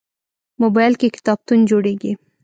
موبایل کې کتابتون جوړېږي.